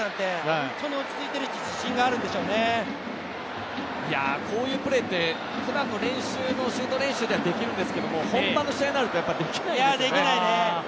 本当に落ち着いているしこういうプレーってふだんのシュート練習ではできるんですけど、本番の試合になるとやっぱりできないんですよね。